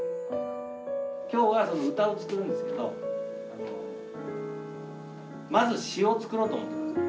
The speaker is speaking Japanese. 今日は歌を作るんですけどまず詞を作ろうと思ってます。